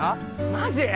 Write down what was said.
マジ？